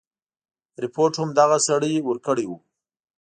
رپوټ هم دغه سړي ورکړی وو.